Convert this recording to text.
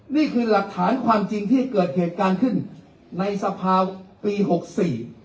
นี่คือหลักฐานความจริงที่เกิดเหตุการณ์ขึ้นในสภาปีหกสี่